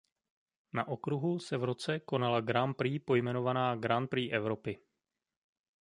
Na okruhu se v roce konala Grand Prix pojmenovaná Grand Prix Evropy.